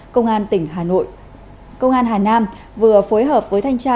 công an tỉnh hà nội công an hà nam vừa phối hợp với thanh tra